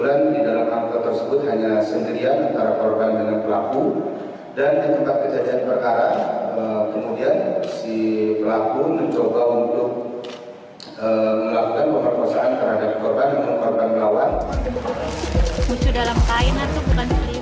dan di tempat kejadian perkara kemudian si pelaku mencoba untuk melakukan pemerkosaan terhadap korban dan korban melawan